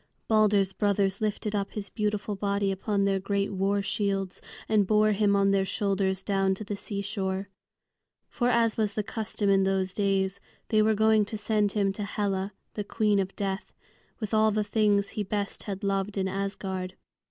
Balder's brothers lifted up his beautiful body upon their great war shields and bore him on their shoulders down to the seashore. For, as was the custom in those days, they were going to send him to Hela, the Queen of Death, with all the things he best had loved in Asgard.